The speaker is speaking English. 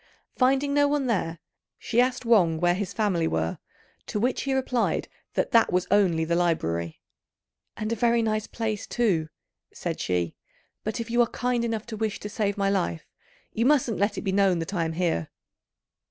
Finding no one there, she asked Wang where his family were; to which he replied that that was only the library. "And a very nice place, too," said she; "but if you are kind enough to wish to save my life, you mustn't let it be known that I am here."